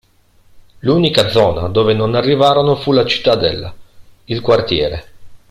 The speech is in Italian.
L'unica zona dove non arrivarono fu la cittadella, il quartiere.